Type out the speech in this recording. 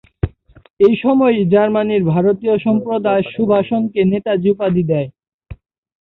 এ সময়ই জার্মানির ভারতীয় সম্প্রদায় সুভাষকে ‘নেতাজী’ উপাধি দেয়।